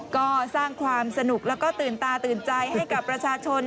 ก็สร้างความสนุกแล้วก็ตื่นตาตื่นใจให้กับประชาชน